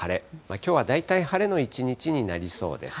きょうは大体晴れの一日になりそうです。